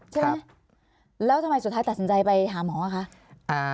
ใช่ไหมแล้วทำไมสุดท้ายตัดสินใจไปหาหมอคะ